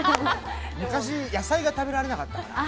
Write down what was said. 昔野菜が食べられなかったから。